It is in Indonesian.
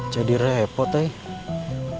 jadi repot ya